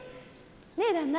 ねえ旦那